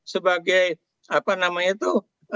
sebagai apa namanya itu